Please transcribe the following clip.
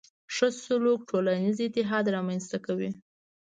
ښه سلوک ټولنیز اتحاد رامنځته کوي.